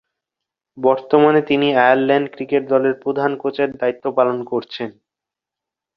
বর্তমানে তিনি Ireland cricket দলের প্রধান কোচের দায়িত্ব পালন করছেন।